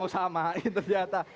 mau samain ternyata